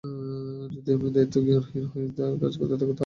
কিন্তু যদি দায়িত্বজ্ঞানহীন কাজ করতেই থাকো, তাহলে এই আলোচনা বারবার হবে।